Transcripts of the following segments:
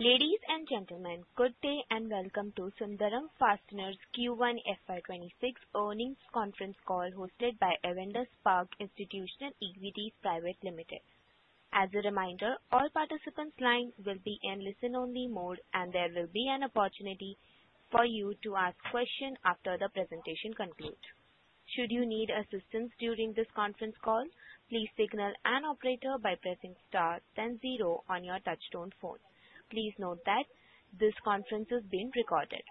Ladies and gentlemen, good day and welcome to Sundram Fasteners Q1 FY2026 Earnings Conference Call hosted by Avendus Spark Institutional Equities Private Limited. As a reminder, all participants' lines will be in listen-only mode, and there will be an opportunity for you to ask questions after the presentation concludes. Should you need assistance during this conference call, please signal an operator by pressing star then zero on your touch-tone phone. Please note that this conference is being recorded.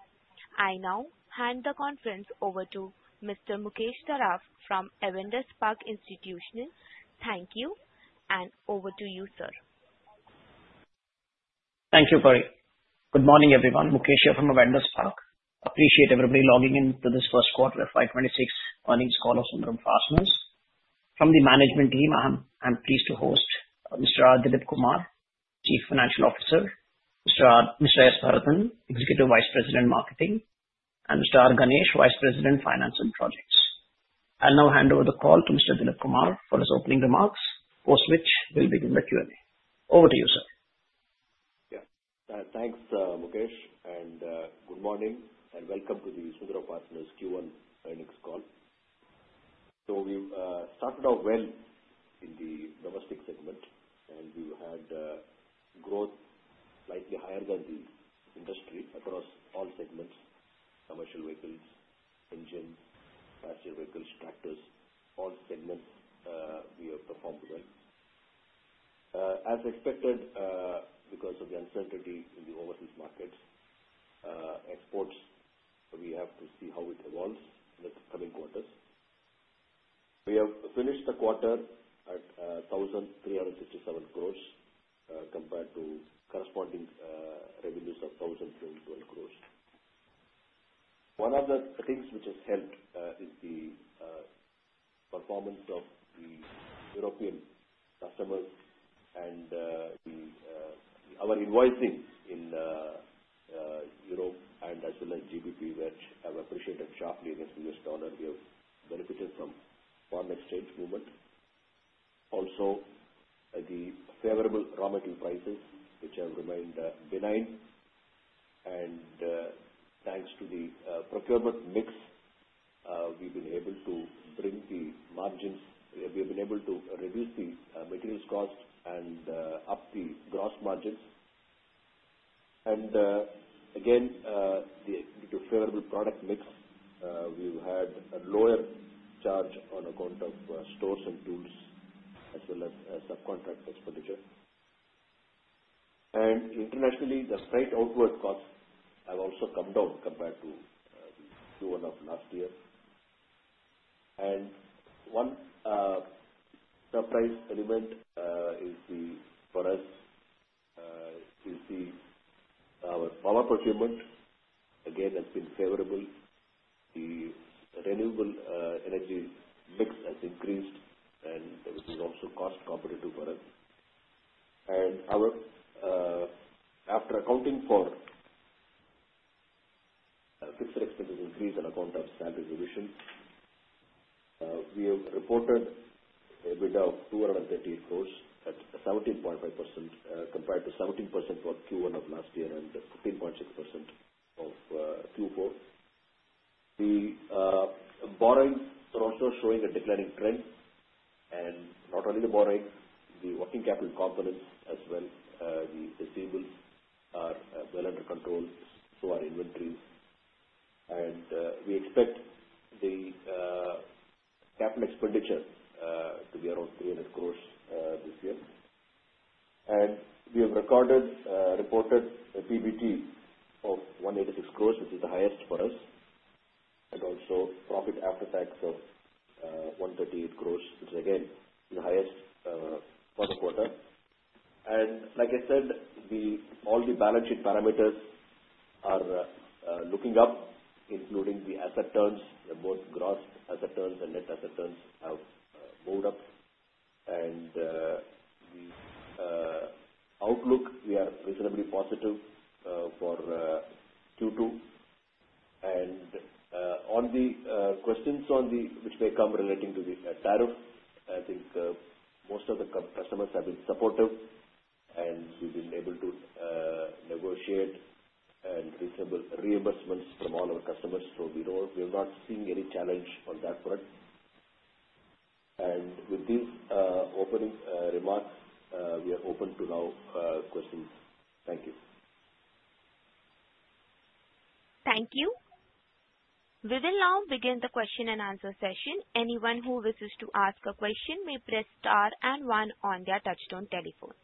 I now hand the conference over to Mr. Mukesh Saraf from Avendus Spark Institutional. Thank you, and over to you, sir. Thank you, operator. Good morning, everyone. Mukesh here from Avendus Spark. Appreciate everybody logging in to this first quarter FY2026 earnings call of Sundram Fasteners. From the management team, I'm pleased to host Mr. R. Dilip Kumar, Chief Financial Officer, Mr. S. Bharathan, Executive Vice President – Marketing, and Mr. R. Ganesh, Vice President Finance and Projects. I'll now hand over the call to Mr. Dilip Kumar for his opening remarks, post which we'll begin the Q&A. Over to you, sir. Yeah. Thanks, Mukesh, and good morning, and welcome to the Sundram Fasteners Q1 earnings call. So we started off well in the domestic segment, and we had growth slightly higher than the industry across all segments: commercial vehicles, engines, passenger vehicles, tractors—all segments we have performed well. As expected, because of the uncertainty in the overseas markets, exports, we have to see how it evolves in the coming quarters. We have finished the quarter at 1,367 crores compared to corresponding revenues of 1,212 crores. One of the things which has helped is the performance of the European customers and our invoicing in Europe, and as well as EUR, which have appreciated sharply against the U.S. dollar. We have benefited from foreign exchange movement. Also, the favorable raw material prices, which have remained benign, and thanks to the procurement mix, we've been able to bring the margins, we have been able to reduce the materials cost and up the gross margins. And again, due to favorable product mix, we've had a lower charge on account of stores and tools, as well as subcontract expenditure. And internationally, the freight outward costs have also come down compared to Q1 of last year. And one surprise element for us is our power procurement, again, has been favorable. The renewable energy mix has increased, and it is also cost-competitive for us. And after accounting for fixed expenses increase on account of salary revision, we have reported an EBITDA of 238 crores at 17.5% compared to 17% for Q1 of last year and 15.6% for Q4. The borrowings are also showing a declining trend, and not only the borrowing, the working capital components as well. The receivables are well under control, so are inventories, and we expect the capital expenditure to be around INR 300 crores this year, and we have reported a PBT of INR 186 crores, which is the highest for us, and also profit after tax of 138 crores, which is again the highest for the quarter, and like I said, all the balance sheet parameters are looking up, including the asset turns. Both gross asset turns and net asset turns have moved up, and the outlook, we are reasonably positive for Q2, and on the questions which may come relating to the tariff, I think most of the customers have been supportive, and we've been able to negotiate and receive reimbursements from all our customers. So we are not seeing any challenge on that front. And with these opening remarks, we are open to now questions. Thank you. Thank you. We will now begin the question and answer session. Anyone who wishes to ask a question may press star and one on their touch-tone telephone.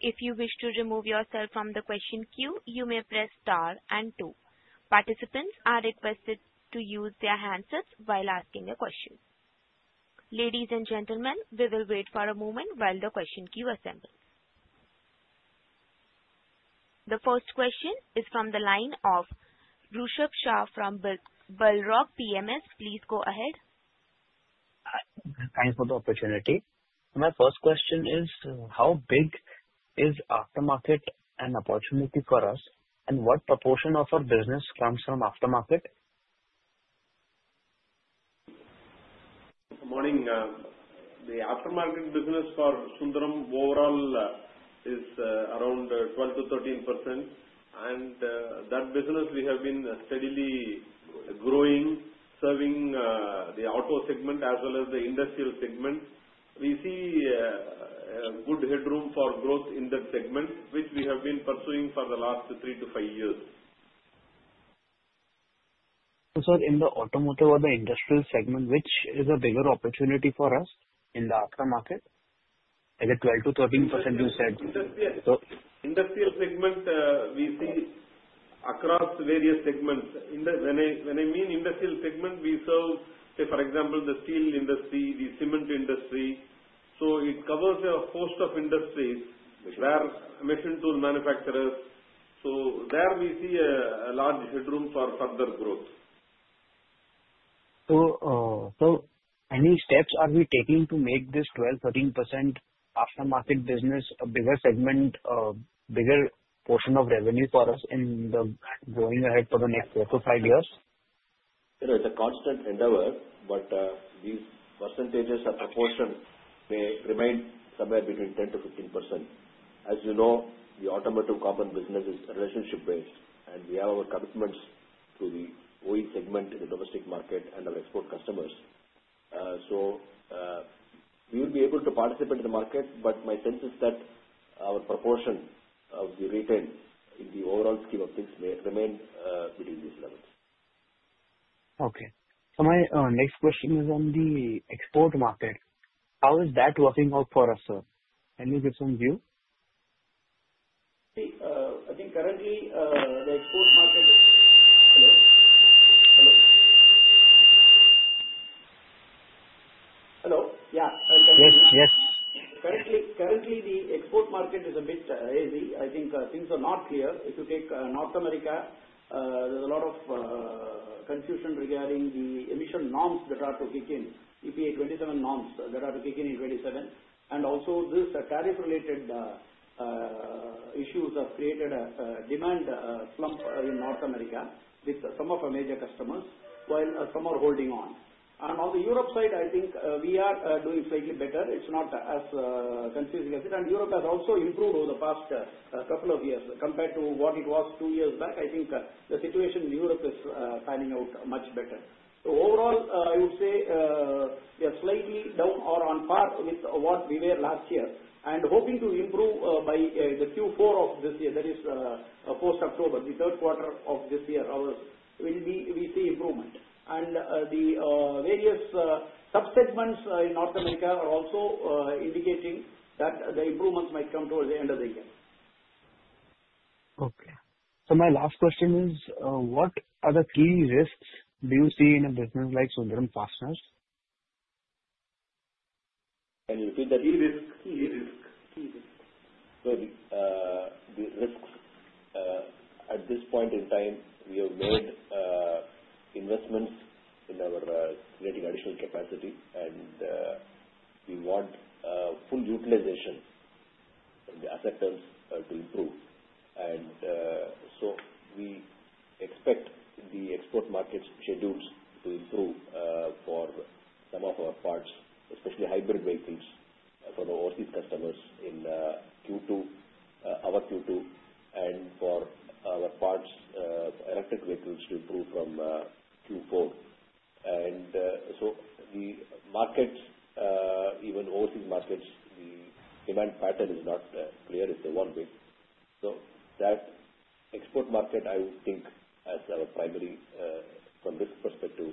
If you wish to remove yourself from the question queue, you may press star and two. Participants are requested to use their handsets while asking a question. Ladies and gentlemen, we will wait for a moment while the question queue assembles. The first question is from the line of Rushabh Shah from Awriga Capital. Please go ahead. Thanks for the opportunity. My first question is, how big is aftermarket an opportunity for us, and what proportion of our business comes from aftermarket? Good morning. The aftermarket business for Sundram overall is around 12%-13%. And that business, we have been steadily growing, serving the auto segment as well as the industrial segment. We see good headroom for growth in that segment, which we have been pursuing for the last three to five years. So in the automotive or the industrial segment, which is a bigger opportunity for us in the aftermarket? Is it 12%-13% you said? So industrial segment, we see across various segments. When I mean industrial segment, we serve, say, for example, the steel industry, the cement industry. So it covers a host of industries, which are machine tool manufacturers. So there we see a large headroom for further growth. Any steps are we taking to make this 12%-13% aftermarket business a bigger segment, a bigger portion of revenue for us in going ahead for the next four to five years? There is a constant endeavor, but these percentages or proportions may remain somewhere between 10%-15%. As you know, the automotive carbon business is relationship-based, and we have our commitments to the OE segment in the domestic market and our export customers. So we will be able to participate in the market, but my sense is that our proportion of the retail in the overall scheme of things may remain between these levels. Okay. So my next question is on the export market. How is that working out for us, sir? Can you give some view? I think currently the export market is. Hello? Hello? Hello? Yeah. Yes. Currently, the export market is a bit hazy. I think things are not clear. If you take North America, there's a lot of confusion regarding the emission norms that are to kick in, EPA 27 norms that are to kick in in 2027. And also, these tariff-related issues have created a demand slump in North America with some of our major customers, while some are holding on. And on the Europe side, I think we are doing slightly better. It's not as confusing as it. And Europe has also improved over the past couple of years compared to what it was two years back. I think the situation in Europe is panning out much better. So overall, I would say we are slightly down or on par with what we were last year. And hoping to improve by the Q4 of this year, that is post-October, the third quarter of this year, we see improvement. And the various subsegments in North America are also indicating that the improvements might come toward the end of the year. Okay, so my last question is, what other key risks do you see in a business like Sundram Fasteners? Can you repeat that? Key risks. Key risks. So the risks, at this point in time, we have made investments in our creating additional capacity, and we want full utilization of the asset terms to improve. And so we expect the export market schedules to improve for some of our parts, especially hybrid vehicles for our overseas customers in Q2, our Q2, and for our parts, electric vehicles to improve from Q4. And so the markets, even overseas markets, the demand pattern is not clear. It's a one way. So that export market, I would think, as our primary from this perspective,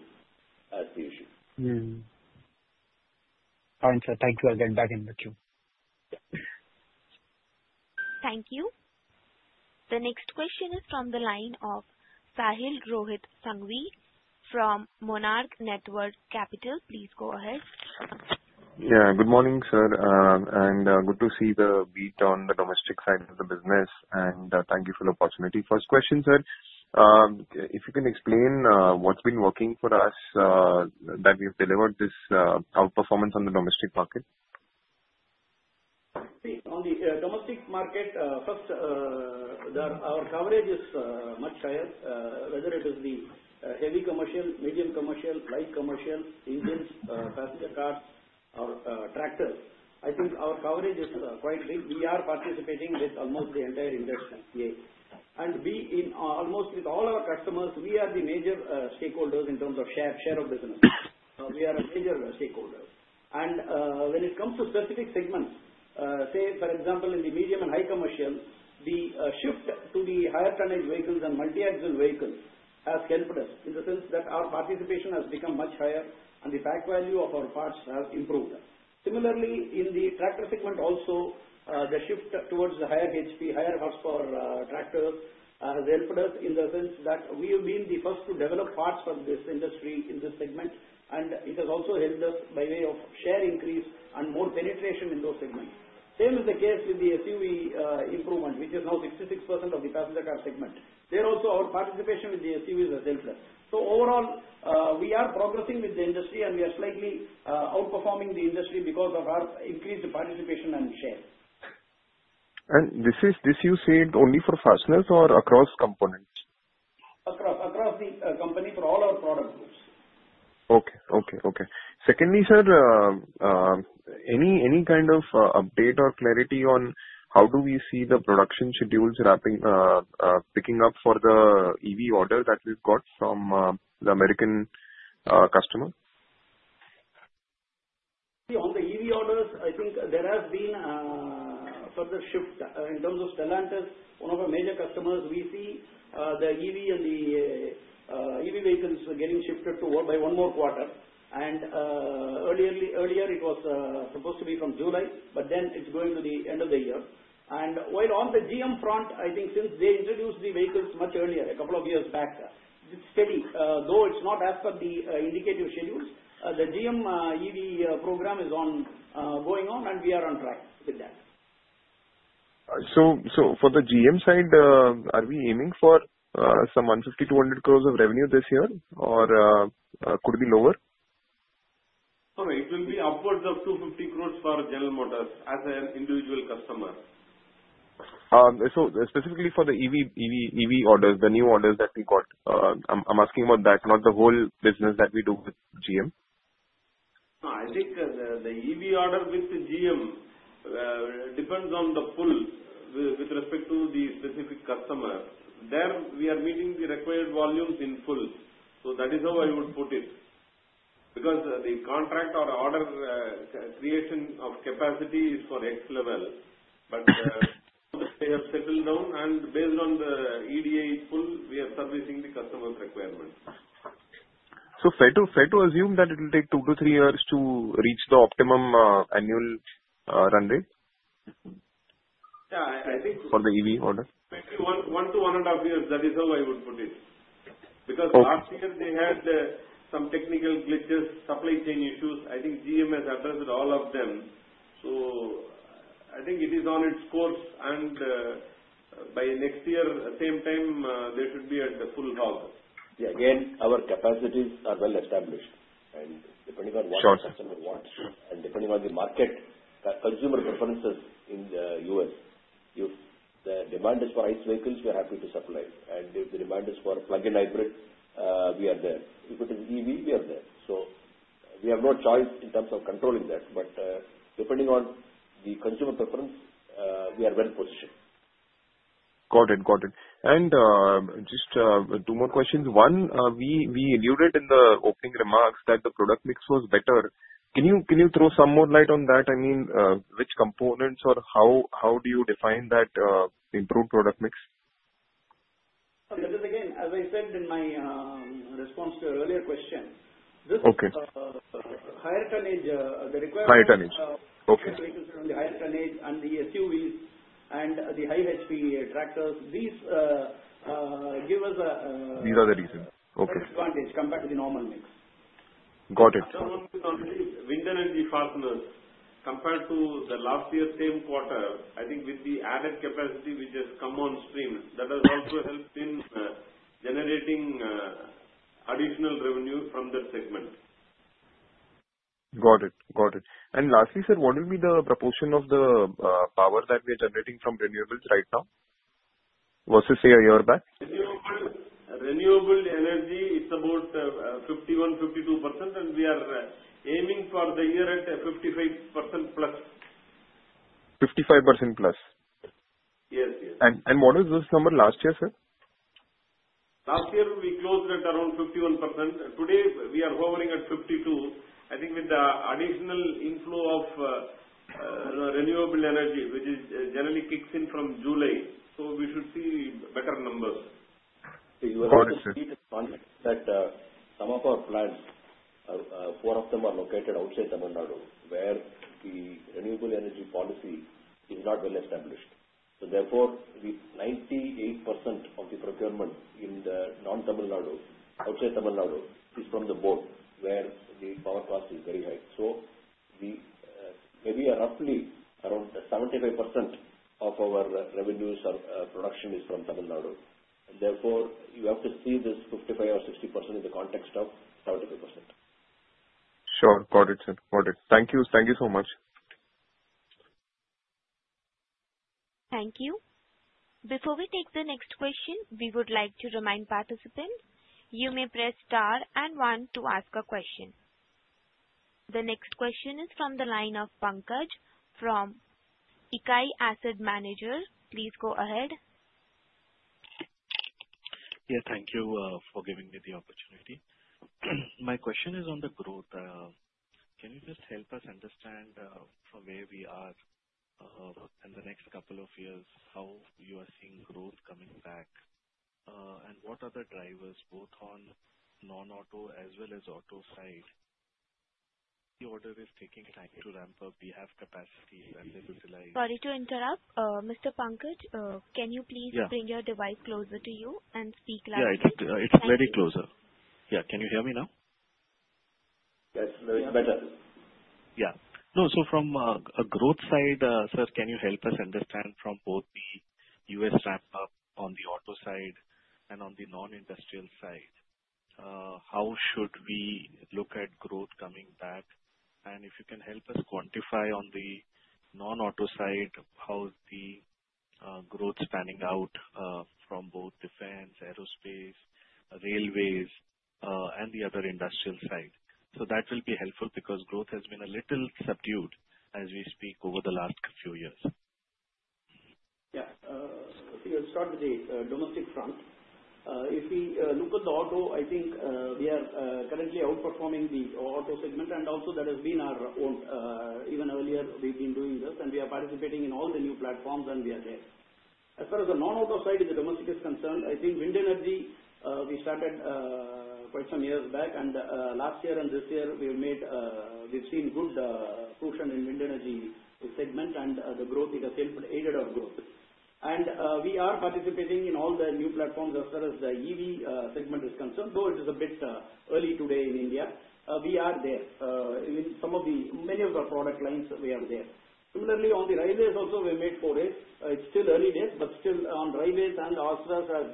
as the issue. All right. Thank you. I'll get back in with you. Thank you. The next question is from the line of Sahil Sanghvi from Monarch Networth Capital. Please go ahead. Yeah. Good morning, sir. And good to see the beat on the domestic side of the business. And thank you for the opportunity. First question, sir, if you can explain what's been working for us that we've delivered this outperformance on the domestic market? On the domestic market, first, our coverage is much higher. Whether it is the heavy commercial, medium commercial, light commercial, engines, passenger cars, or tractors, I think our coverage is quite big. We are participating with almost the entire industry, and almost with all our customers, we are the major stakeholders in terms of share of business. We are a major stakeholder, and when it comes to specific segments, say, for example, in the medium and high commercial, the shift to the higher-tonnage vehicles and multi-axle vehicles has helped us in the sense that our participation has become much higher, and the pack value of our parts has improved. Similarly, in the tractor segment also, the shift towards the higher HP, higher horsepower tractors has helped us in the sense that we have been the first to develop parts for this industry in this segment. And it has also helped us by way of share increase and more penetration in those segments. Same is the case with the SUV improvement, which is now 66% of the passenger car segment. There also, our participation with the SUVs has helped us. So overall, we are progressing with the industry, and we are slightly outperforming the industry because of our increased participation and share. This you said only for Fasteners or across components? Across the company for all our product groups. Okay. Secondly, sir, any kind of update or clarity on how do we see the production schedules picking up for the EV order that we've got from the American customer? On the EV orders, I think there has been a further shift in terms of Stellantis, one of our major customers. We see the EV and the EV vehicles getting shifted by one more quarter. And earlier, it was supposed to be from July, but then it's going to the end of the year. And while on the GM front, I think since they introduced the vehicles much earlier, a couple of years back, it's steady. Though it's not as per the indicative schedules, the GM EV program is going on, and we are on track with that. For the GM side, are we aiming for some 150-200 crores of revenue this year, or could it be lower? It will be upwards of 250 crores for General Motors as an individual customer. So specifically for the EV orders, the new orders that we got, I'm asking about that, not the whole business that we do with GM? I think the EV order with GM depends on the pull with respect to the specific customer. There we are meeting the required volumes in full. So that is how I would put it. Because the contract or order creation of capacity is for X level. But they have settled down, and based on the demand pull, we are servicing the customer's requirements. So fair to assume that it will take two to three years to reach the optimum annual run rate? Yeah. I think. For the EV order? One to one and a half years. That is how I would put it. Because last year, they had some technical glitches, supply chain issues. I think GM has addressed all of them, so I think it is on its course, and by next year, same time, they should be at the full house. Yeah. Again, our capacities are well established, and depending on what the customer wants, and depending on the market consumer preferences in the U.S., if the demand is for ICE vehicles, we are happy to supply, and if the demand is for plug-in hybrid, we are there. If it is EV, we are there, so we have no choice in terms of controlling that, but depending on the consumer preference, we are well positioned. Got it. Got it, and just two more questions. One, we alluded in the opening remarks that the product mix was better. Can you throw some more light on that? I mean, which components or how do you define that improved product mix? Again, as I said in my response to your earlier question, this higher-tonnage, the required. Higher-tonnage. Okay. Vehicles are on the higher-tonnage, and the SUVs and the high HP tractors, these give us a. These are the reasons. Okay. Advantage compared to the normal mix. Got it. The normal mix, wind and the fasteners, compared to the last year, same quarter, I think with the added capacity which has come on stream, that has also helped in generating additional revenue from that segment. Got it. Got it. And lastly, sir, what will be the proportion of the power that we are generating from renewables right now versus, say, a year back? Renewable energy, it's about 51%-52%, and we are aiming for the year at 55% plus. 55% plus. Yes. Yes. What was this number last year, sir? Last year, we closed at around 51%. Today, we are hovering at 52%. I think with the additional inflow of renewable energy, which generally kicks in from July, so we should see better numbers. Got it. That some of our plants, four of them are located outside Tamil Nadu, where the renewable energy policy is not well established. So therefore, 98% of the procurement in non-Tamil Nadu, outside Tamil Nadu, is from the grid, where the power cost is very high. So maybe roughly around 75% of our revenues or production is from Tamil Nadu. Therefore, you have to see this 55 or 60% in the context of 75%. Sure. Got it, sir. Got it. Thank you. Thank you so much. Thank you. Before we take the next question, we would like to remind participants, you may press star and one to ask a question. The next question is from the line of Nihar Shah from Ikigai Asset Manager. Please go ahead. Yeah. Thank you for giving me the opportunity. My question is on the growth. Can you just help us understand from where we are in the next couple of years, how you are seeing growth coming back, and what are the drivers both on non-auto as well as auto side? The order is taking time to ramp up. We have capacity that we have utilized. Sorry to interrupt. Mr. Nihar, can you please bring your device closer to you and speak louder? Yeah. It's very close. Yeah. Can you hear me now? Yes. Now it's better. Yeah. No. So from a growth side, sir, can you help us understand from both the US ramp-up on the auto side and on the non-industrial side, how should we look at growth coming back? And if you can help us quantify on the non-auto side, how is the growth spanning out from both defense, aerospace, railways, and the other industrial side? So that will be helpful because growth has been a little subdued as we speak over the last few years. Yeah. Let's start with the domestic front. If we look at the auto, I think we are currently outperforming the auto segment. And also, that has been our own. Even earlier, we've been doing this, and we are participating in all the new platforms, and we are there. As far as the non-auto side in the domestic is concerned, I think wind energy, we started quite some years back. And last year and this year, we've seen good push in the wind energy segment, and the growth, it has aided our growth. And we are participating in all the new platforms as far as the EV segment is concerned. Though it is a bit early today in India, we are there. In many of our product lines, we are there. Similarly, on the railways also, we made forays. It's still early days, but still on railways and also as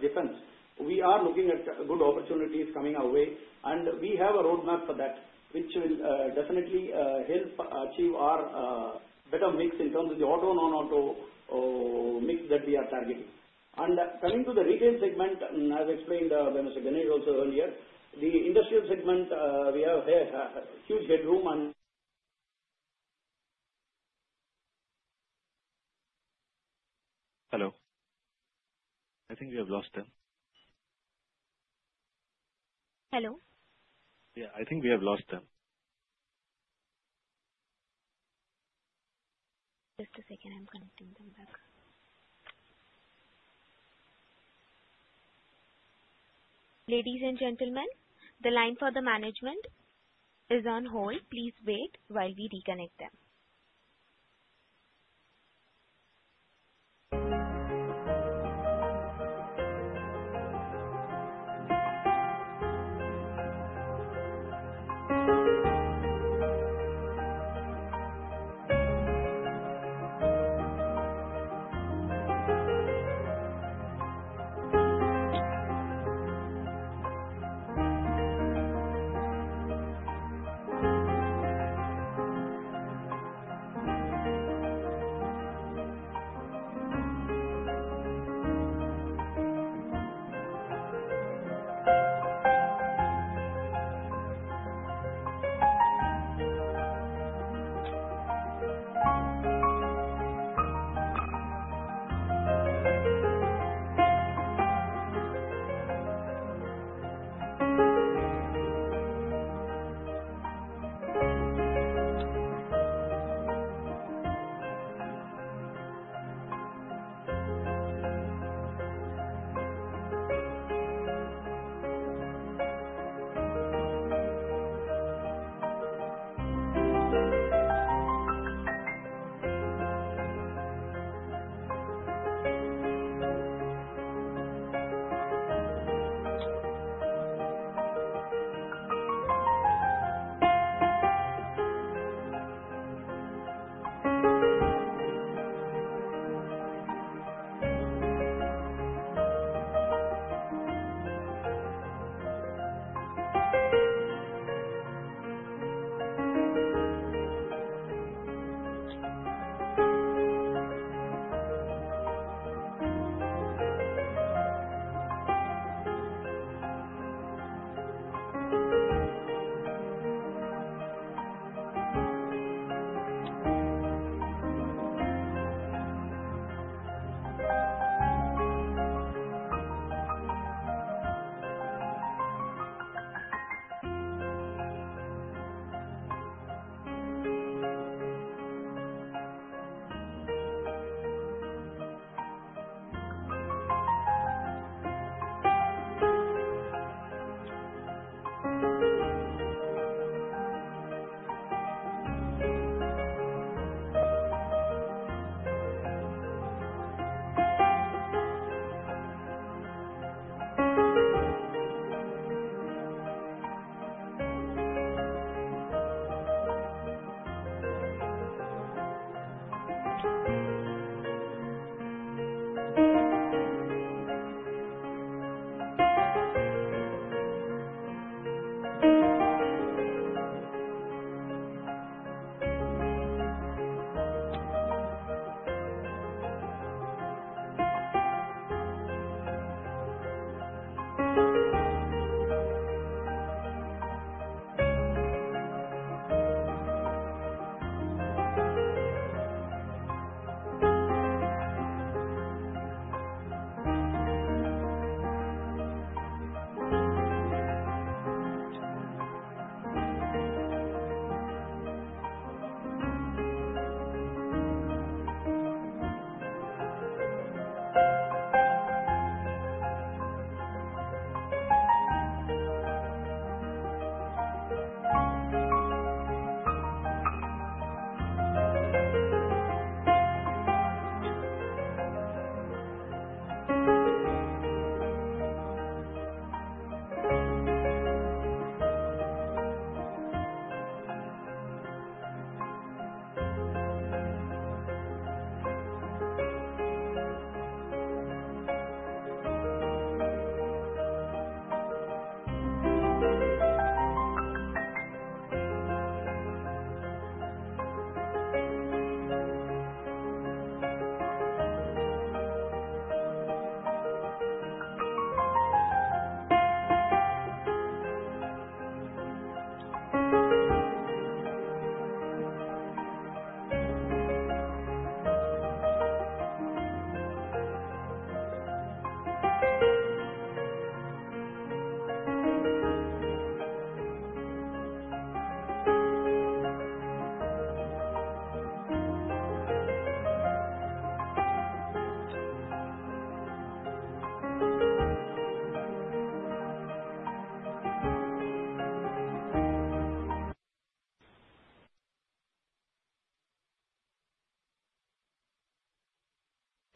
defense, we are looking at good opportunities coming our way. And we have a roadmap for that, which will definitely help achieve our better mix in terms of the auto, non-auto mix that we are targeting. And coming to the retail segment, as explained by Mr. Ganesh also earlier, the industrial segment, we have huge headroom and. Hello? I think we have lost them. Hello? Yeah. I think we have lost them. Just a second. I'm connecting them back. Ladies and gentlemen, the line for the management is on hold. Please wait while we reconnect them.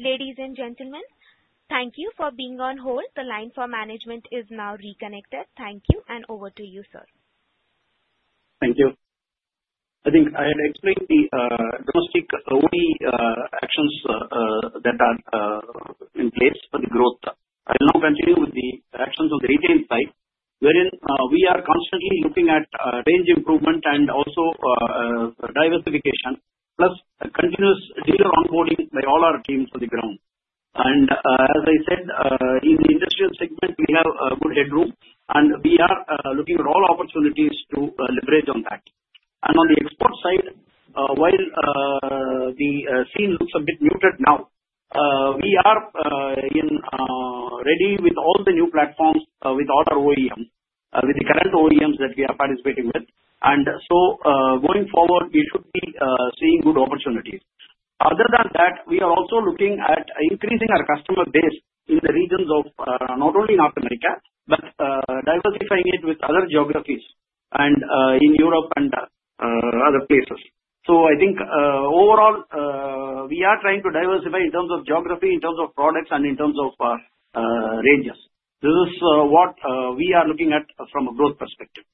Ladies and gentlemen, thank you for being on hold. The line for management is now reconnected. Thank you. And over to you, sir. Thank you. I think I have explained the domestic only actions that are in place for the growth. I'll now continue with the actions on the retail side, wherein we are constantly looking at range improvement and also diversification, plus continuous dealer onboarding by all our teams on the ground, and as I said, in the industrial segment, we have good headroom, and we are looking at all opportunities to leverage on that, and on the export side, while the scene looks a bit muted now, we are ready with all the new platforms with all our OEMs, with the current OEMs that we are participating with, and so going forward, we should be seeing good opportunities. Other than that, we are also looking at increasing our customer base in the regions of not only North America, but diversifying it with other geographies in Europe and other places. So I think overall, we are trying to diversify in terms of geography, in terms of products, and in terms of ranges. This is what we are looking at from a growth perspective.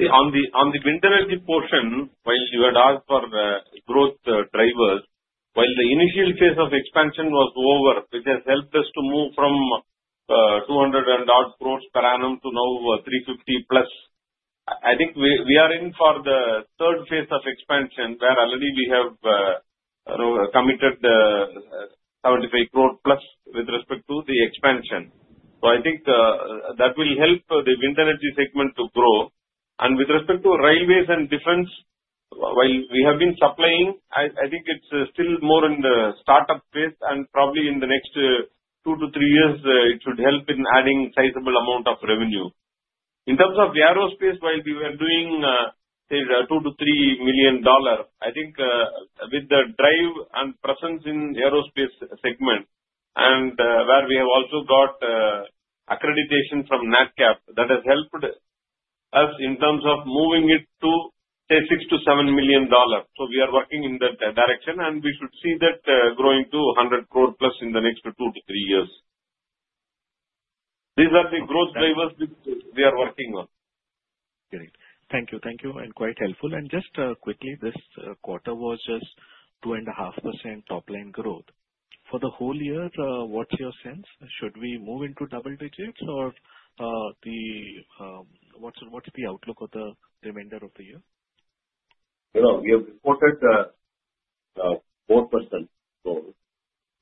On the wind energy portion, while you had asked for growth drivers, while the initial phase of expansion was over, which has helped us to move from 200-odd crores per annum to now 350-plus crores, I think we are in for the third phase of expansion, where already we have committed 75 crore plus with respect to the expansion. So I think that will help the wind energy segment to grow. And with respect to railways and defense, while we have been supplying, I think it's still more in the startup phase, and probably in the next two to three years, it should help in adding a sizable amount of revenue. In terms of the aerospace, while we were doing, say, $2-$3 million, I think with the drive and presence in the aerospace segment, and where we have also got accreditation from Nadcap, that has helped us in terms of moving it to, say, $6-$7 million. So we are working in that direction, and we should see that growing to 100 crore plus in the next two to three years. These are the growth drivers we are working on. Great. Thank you. Thank you. And quite helpful. And just quickly, this quarter was just 2.5% top-line growth. For the whole year, what's your sense? Should we move into double digits, or what's the outlook of the remainder of the year? You know, we have reported 4% growth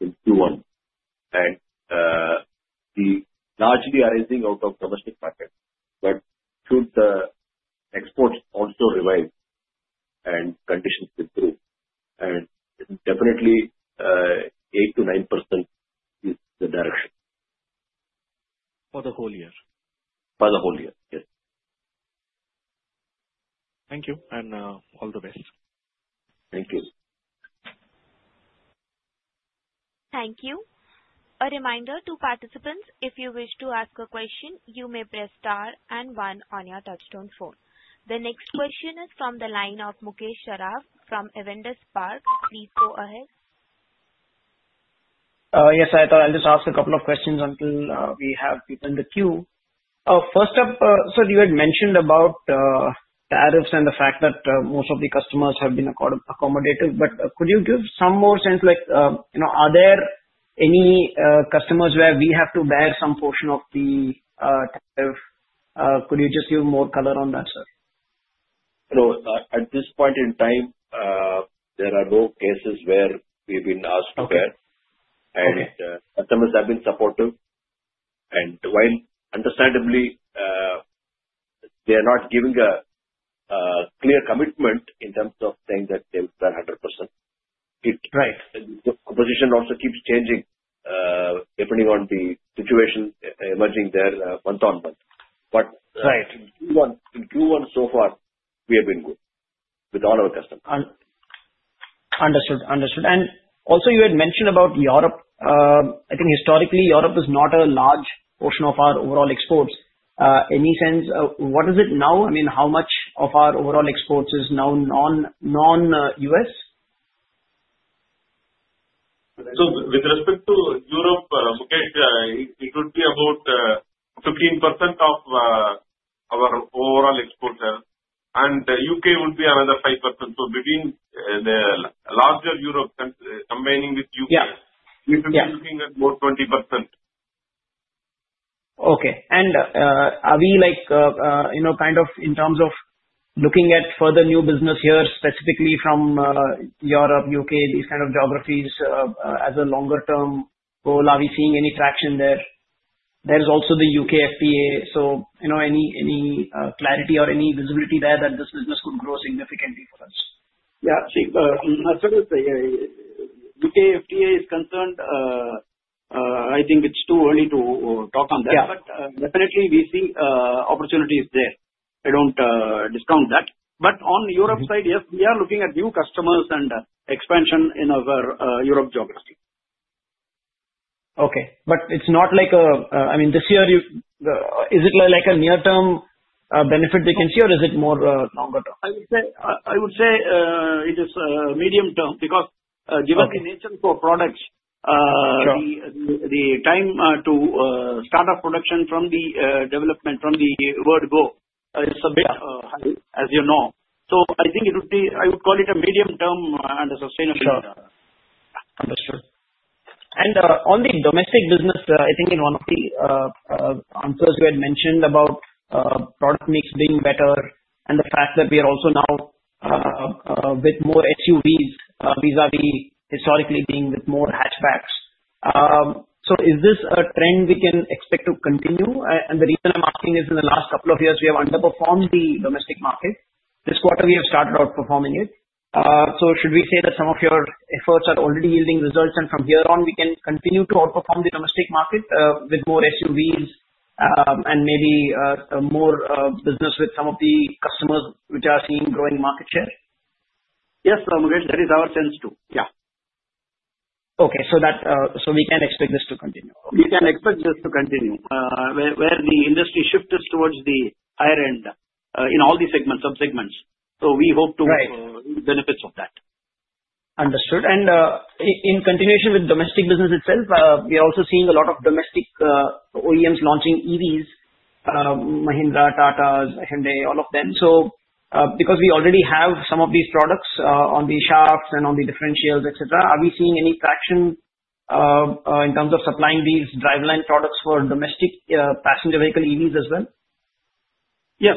in Q1, and largely arising out of the domestic market. But should the exports also revive and conditions improve, definitely 8%-9% is the direction. For the whole year? For the whole year, yes. Thank you, and all the best. Thank you. Thank you. A reminder to participants, if you wish to ask a question, you may press star and one on your touch-tone phone. The next question is from the line of Mukesh Saraf from Avendus Spark. Please go ahead. Yes, I'll just ask a couple of questions until we have people in the queue. First up, sir, you had mentioned about tariffs and the fact that most of the customers have been accommodative. But could you give some more sense? Are there any customers where we have to bear some portion of the tariff? Could you just give more color on that, sir? No. At this point in time, there are no cases where we've been asked to bear. And customers have been supportive. And while understandably, they are not giving a clear commitment in terms of saying that they will bear 100%. The position also keeps changing depending on the situation emerging there month on month. But in Q1, so far, we have been good with all our customers. Understood. Understood. And also, you had mentioned about Europe. I think historically, Europe was not a large portion of our overall exports. Any sense, what is it now? I mean, how much of our overall exports is now non-U.S.? So with respect to Europe, Mukesh, it would be about 15% of our overall exports. And the U.K. would be another 5%. So between the larger Europe combining with U.K., we should be looking at more 20%. Okay. And are we kind of in terms of looking at further new business here, specifically from Europe, U.K., these kind of geographies as a longer-term goal? Are we seeing any traction there? There's also the U.K. FTA. So any clarity or any visibility there that this business could grow significantly for us? Yeah. See, as far as the UK FTA is concerned, I think it's too early to talk on that. But definitely, we see opportunities there. I don't discount that. But on Europe side, yes, we are looking at new customers and expansion in our Europe geography. Okay. But it's not—I mean, this year, is it like a near-term benefit they can see, or is it more longer-term? I would say it is medium-term because given the nature of our products, the time to start up production from the development, from the word go, is a bit high, as you know. So I think it would be. I would call it a medium-term and a sustainable. Sure. Understood. And on the domestic business, I think in one of the answers you had mentioned about product mix being better and the fact that we are also now with more SUVs vis-à-vis historically being with more hatchbacks. So is this a trend we can expect to continue? And the reason I'm asking is in the last couple of years, we have underperformed the domestic market. This quarter, we have started outperforming it. So should we say that some of your efforts are already yielding results, and from here on, we can continue to outperform the domestic market with more SUVs and maybe more business with some of the customers which are seeing growing market share? Yes, Mukesh. That is our sense too. Yeah. Okay. So we can expect this to continue. We can expect this to continue where the industry shifts towards the higher-end in all the subsegments, so we hope to make benefits of that. Understood, and in continuation with domestic business itself, we are also seeing a lot of domestic OEMs launching EVs: Mahindra, Tata, Hyundai, all of them, so because we already have some of these products on the shafts and on the differentials, etc., are we seeing any traction in terms of supplying these driveline products for domestic passenger vehicle EVs as well? Yes.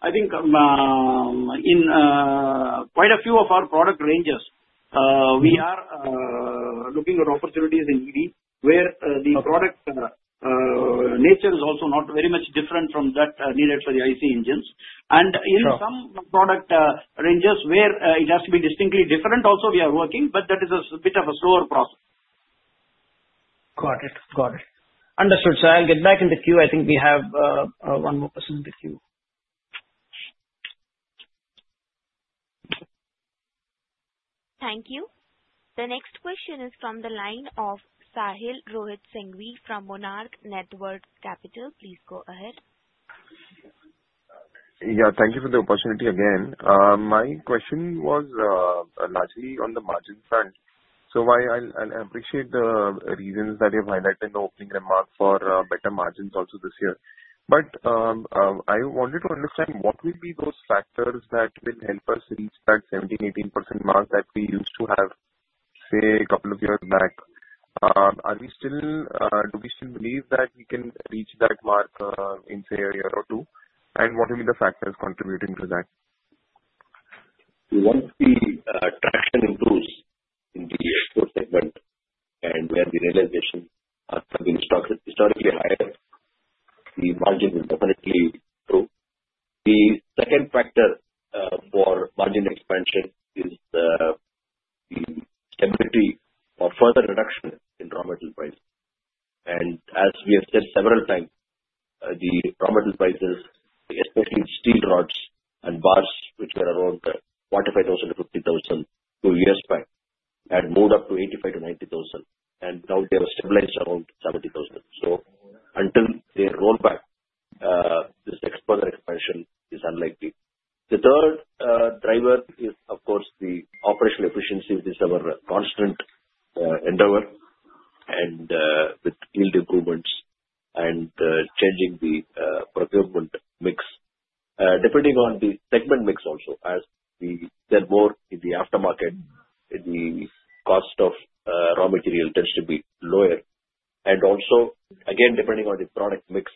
I think in quite a few of our product ranges, we are looking at opportunities in EVs where the product nature is also not very much different from that needed for the IC engines. And in some product ranges where it has to be distinctly different, also we are working, but that is a bit of a slower process. Got it. Got it. Understood. So I'll get back in the queue. I think we have one more person in the queue. Thank you. The next question is from the line of Sahil Sanghvi from Monarch Networth Capital. Please go ahead. Yeah. Thank you for the opportunity again. My question was largely on the margin front. So I appreciate the reasons that you've highlighted in the opening remark for better margins also this year. But I wanted to understand what would be those factors that will help us reach that 17%-18% mark that we used to have, say, a couple of years back? Do we still believe that we can reach that mark in, say, a year or two? And what will be the factors contributing to that? Once the traction improves in the export segment and where the realizations have been historically higher, the margins will definitely grow. The second factor for margin expansion is the stability or further reduction in raw material prices, and as we have said several times, the raw material prices, especially steel rods and bars which were around 45,000-50,000 two years back, had moved up to 85,000-90,000, and now they have stabilized around 70,000, so until they roll back, this further expansion is unlikely. The third driver is, of course, the operational efficiency, which is our constant endeavor with yield improvements and changing the procurement mix, depending on the segment mix also. As we sell more in the aftermarket, the cost of raw material tends to be lower. And also, again, depending on the product mix,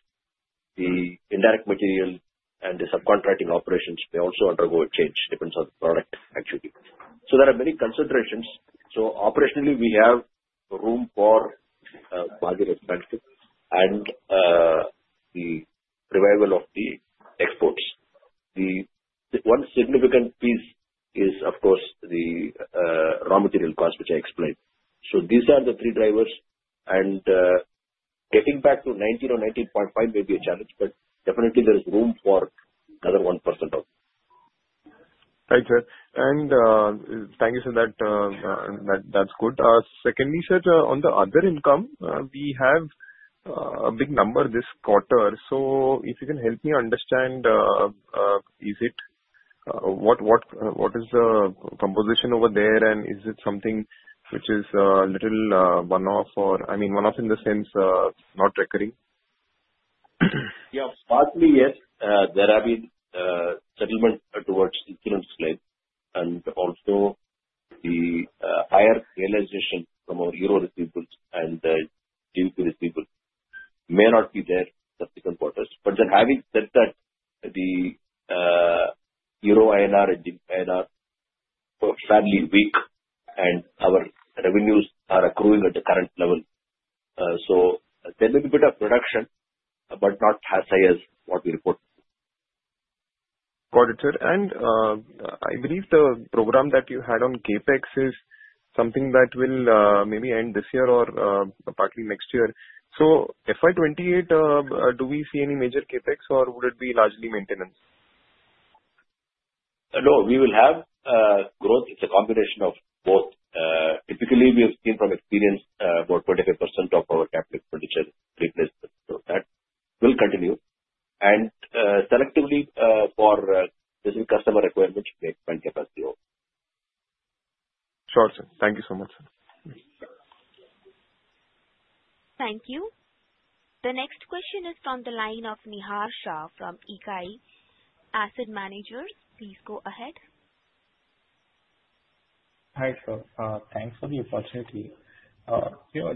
the indirect material and the subcontracting operations may also undergo a change depending on the product actually. So there are many considerations. So operationally, we have room for margin expansion and the revival of the exports. The one significant piece is, of course, the raw material cost, which I explained. So these are the three drivers. And getting back to 19% or 19.5% may be a challenge, but definitely, there is room for another 1% up. Thank you, sir. And thank you, sir, that's good. Secondly, sir, on the other income, we have a big number this quarter. So if you can help me understand, is it what is the composition over there, and is it something which is a little one-off or, I mean, one-off in the sense not recurring? Yeah. Partly, yes. There have been settlements towards insurance claims. And also, the higher realization from our euro revenues and GBP revenues may not be there in subsequent quarters. But having said that, the euro-INR and GBP-INR are steadily weak, and our revenues are accruing at the current level. So there may be a bit of pressure, but not as high as what we report. Got it, sir. And I believe the program that you had on CapEx is something that will maybe end this year or partly next year. So FY 2028, do we see any major CapEx, or would it be largely maintenance? No. We will have growth. It's a combination of both. Typically, we have seen from experience about 25% of our capital expenditure replacement. So that will continue, and selectively, for specific customer requirements, we expand capacity over. Sure, sir. Thank you so much, sir. Thank you. The next question is from the line of Nihar Shah from Ikigai Asset Manager. Please go ahead. Hi, sir. Thanks for the opportunity.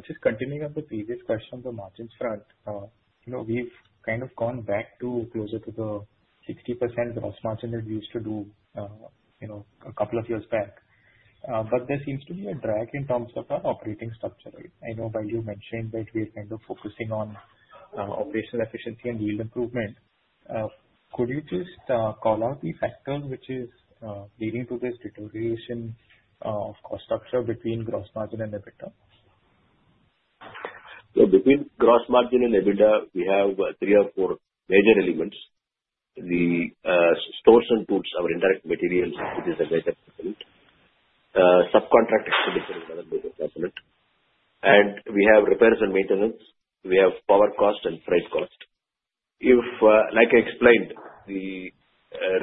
Just continuing on the previous question on the margins front, we've kind of gone back to closer to the 60% gross margin that we used to do a couple of years back. But there seems to be a drag in terms of our operating structure. I know while you mentioned that we are kind of focusing on operational efficiency and yield improvement. Could you just call out the factor which is leading to this deterioration of cost structure between gross margin and EBITDA? So between gross margin and EBITDA, we have three or four major elements. The stores and tools, our indirect materials, which is a major component. Subcontract expenditure is another major component. And we have repairs and maintenance. We have power cost and freight cost. Like I explained, the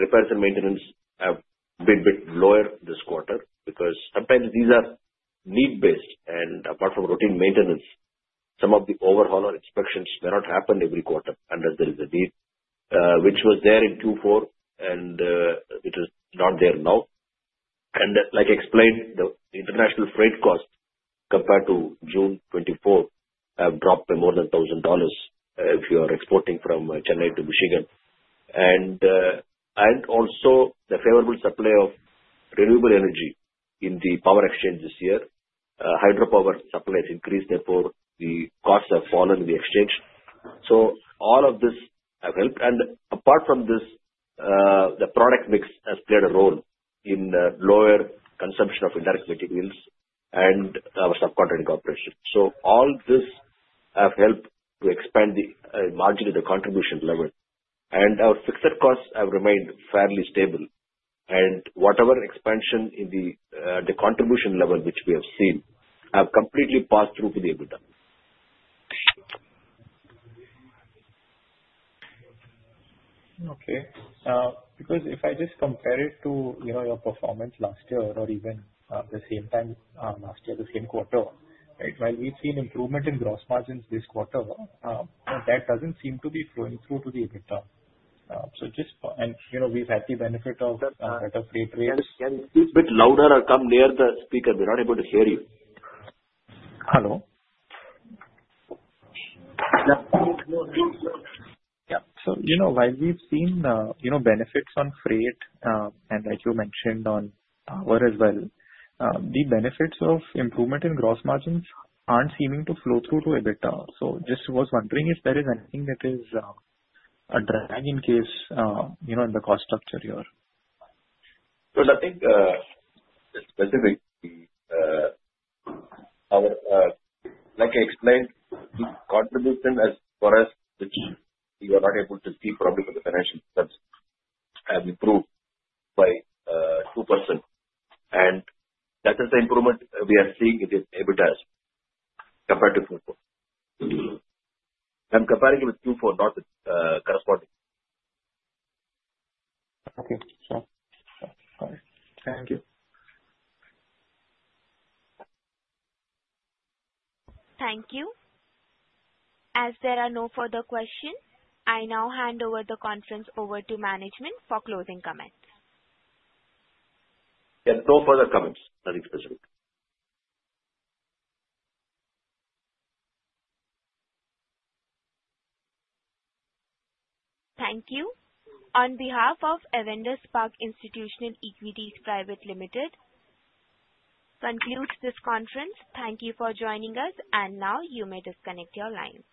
repairs and maintenance have been a bit lower this quarter because sometimes these are need-based. And apart from routine maintenance, some of the overhaul or inspections may not happen every quarter unless there is a need, which was there in Q4, and it is not there now. And like I explained, the international freight cost compared to June 2024 have dropped by more than $1,000 if you are exporting from Chennai to Michigan. And also, the favorable supply of renewable energy in the power exchange this year, hydropower supply has increased. Therefore, the costs have fallen in the exchange. So all of this has helped. And apart from this, the product mix has played a role in lower consumption of indirect materials and our subcontracting operations. So all this has helped to expand the margin of the contribution level. And our fixed costs have remained fairly stable. And whatever expansion in the contribution level which we have seen have completely passed through to the EBITDA. Okay. Because if I just compare it to your performance last year or even the same time last year, the same quarter, while we've seen improvement in gross margins this quarter, that doesn't seem to be flowing through to the EBITDA. And we've had the benefit of better freight rates. Can you speak a bit louder or come near the speaker? We're not able to hear you. Hello? Yeah. So while we've seen benefits on freight and, like you mentioned, on power as well, the benefits of improvement in gross margins aren't seeming to flow through to EBITDA. So just was wondering if there is anything that is a drag in case in the cost structure here? I think specifically, like I explained, the contribution as far as which we were not able to see probably for the financial sense has improved by 2%. And that is the improvement we are seeing in EBITDA compared to Q4. I'm comparing it with Q4, not corresponding. Okay. Sure. All right. Thank you. Thank you. As there are no further questions, I now hand over the conference to management for closing comments. Yes. No further comments. Nothing specific. Thank you. On behalf of Avendus Spark Institutional Equities Private Limited, concludes this conference. Thank you for joining us. Now you may disconnect your lines.